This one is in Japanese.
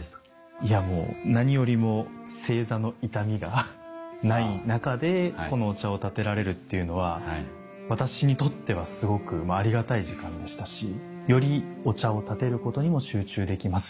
いやもう何よりも正座の痛みがない中でお茶を点てられるっていうのは私にとってはすごくありがたい時間でしたしよりお茶を点てることにも集中できますし。